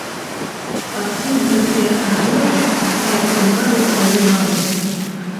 Адсюль гэтыя азёры і атрымалі свае назвы.